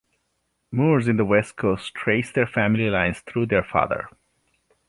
Moors in the west coast trace their family lines through their father.